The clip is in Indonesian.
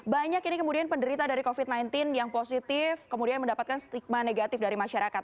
banyak ini kemudian penderita dari covid sembilan belas yang positif kemudian mendapatkan stigma negatif dari masyarakat